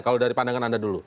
kalau dari pandangan anda dulu